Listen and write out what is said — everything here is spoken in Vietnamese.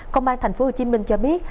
công an thành phố hồ chí minh cho biết